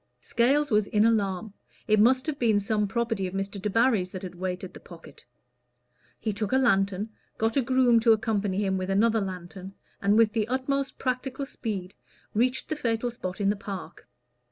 Scales was in alarm; it must have been some property of Mr. Debarry's that had weighted the pocket. He took a lantern, got a groom to accompany him with another lantern, and with the utmost practical speed reached the fatal spot in the park.